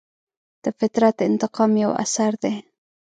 د فطرت انتقام یو اثر دی.